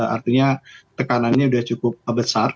artinya tekanannya sudah cukup besar